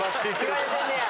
言われてんねや。